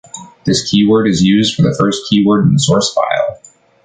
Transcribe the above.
This keyword is usually the first keyword in the source file.